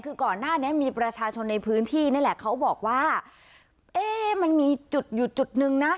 คือก่อนหน้านี้มีประชาชนในพื้นที่นี่แหละเขาบอกว่าเอ๊ะมันมีจุดอยู่จุดนึงนะ